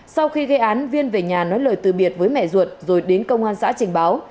sau khi gây án viên về nhà nói lời từ biệt với mẹ ruột rồi đến công an xã trình báo